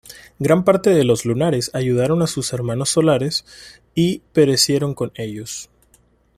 Gran parte de los Lunares ayudaron a sus hermanos Solares y perecieron con ellos.